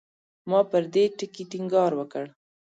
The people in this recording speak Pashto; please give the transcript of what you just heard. ما پر دې ټکي ټینګار وکړ.